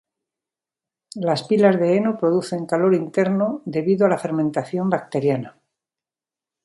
Las pilas de heno producen calor interno debido a la fermentación bacteriana.